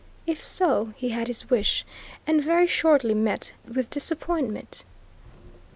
If so he had his wish, and very shortly met with disappointment.